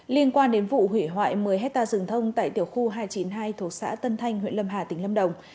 liên quan đến vụ hủy hoại một mươi hectare rừng thông tại tiểu khu hai trăm chín mươi hai thuộc xã tân thanh huyện lâm hà tỉnh lâm đồng